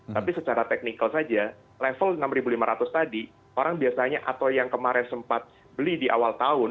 tapi secara teknikal saja level enam ribu lima ratus tadi orang biasanya atau yang kemarin sempat beli di awal tahun